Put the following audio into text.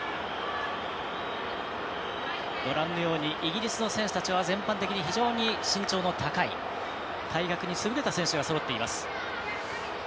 ご覧のようにイギリスの選手たちは全般的に非常に身長の高い体格に優れた選手がそろっています。